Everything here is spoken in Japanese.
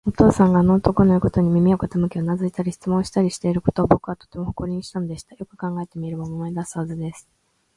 お父さんがあの男のいうことに耳を傾け、うなずいたり、質問したりしていることを、ぼくはとても誇りにしたのでした。よく考えてみれば、思い出すはずです。